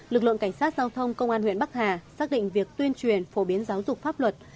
lực lượng cảnh sát giao thông công an huyện bắc hà xác định việc tuyên truyền phổ biến giáo dục pháp luật